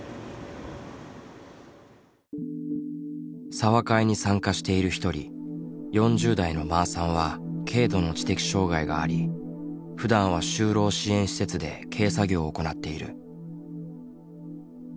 茶話会に参加している一人４０代のまーさんは軽度の知的障害があり普段は就労支援施設で軽作業を行っている。